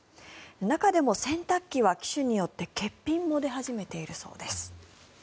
中でも洗濯機は機種によって欠品も出始めているそうです。